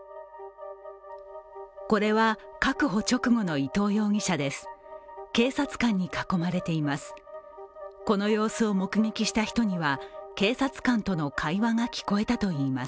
これは、確保直後の伊藤容疑者です